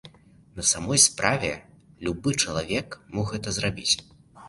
На самой справе, любы чалавек мог гэта зрабіць.